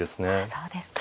そうですか。